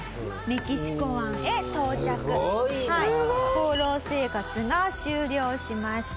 放浪生活が終了しました。